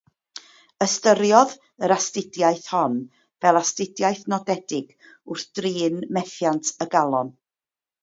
Ystyriodd yr astudiaeth hon fel astudiaeth nodedig wrth drin methiant y galon.